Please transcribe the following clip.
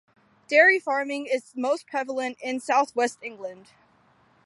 Dairy farming is most prevalent in South West England.